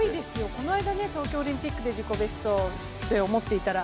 この間東京オリンピックで自己ベストと思っていたら、